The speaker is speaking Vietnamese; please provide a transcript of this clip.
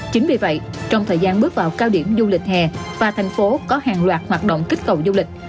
chính vì vậy trong thời gian bước vào cao điểm du lịch hè và thành phố có hàng loạt hoạt động kích cầu du lịch